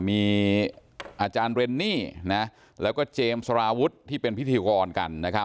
มีอาจารย์เรนนี่แล้วก็เจมส์สารวุฒิที่เป็นพิธีกรกัน